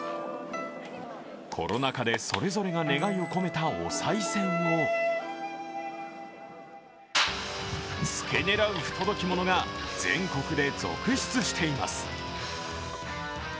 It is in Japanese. コロナ禍でそれぞれが願いを込めたおさい銭を付け狙う不届き者が全国で続出しています。